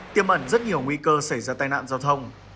tiêm ẩn rất nhiều nguy cơ xảy ra tai nạn giao thông